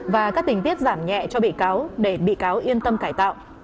và các tình tiết giảm nhẹ cho bị cáo để bị cáo yên tâm cải tạo